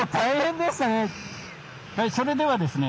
それではですね